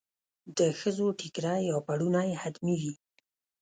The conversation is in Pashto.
د ښځو ټیکری یا پړونی حتمي وي.